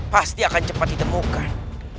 pasti akan cepat ditemukan